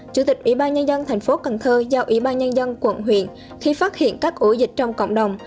chủ tịch ủy ban nhân dân thành phố cần thơ giao ủy ban nhân dân quận huyện khi phát hiện các ổ dịch trong cộng đồng